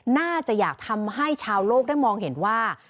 น่าจะอยากทำให้ชาวโลกได้มองเห็นว่า